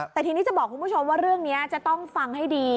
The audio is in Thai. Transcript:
แต่ทีนี้จะบอกคุณผู้ชมว่าเรื่องนี้จะต้องฟังให้ดี